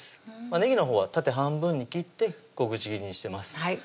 ねぎのほうは縦半分に切って小口切りにしてます